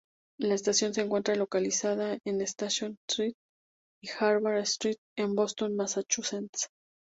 La estación se encuentra localizada en Station Street y Harvard Street en Boston, Massachusetts.